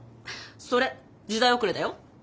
それ時代遅れだよ。